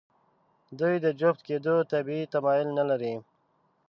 دوی د جفت کېدو طبیعي تمایل نهلري.